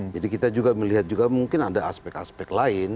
jadi kita juga melihat juga mungkin ada aspek aspek lain